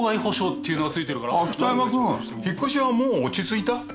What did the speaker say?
北山君引っ越しはもう落ち着いた？